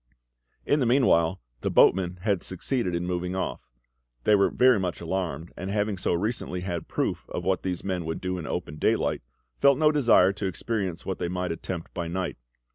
In the meanwhile the boatmen had succeeded in moving off. They were very much alarmed; and having so recently had proof of what these men would do in open daylight, felt no desire to experience what they might attempt by night.